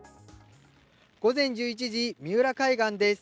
午前１１時、三浦海岸です。